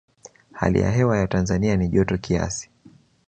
hali ya hewa ya tanzania ni joto kiasi